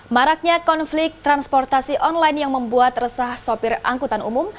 maraknya konflik transportasi online yang membuat resah sopir angkutan umum